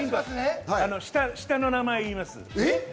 下の名前、言います。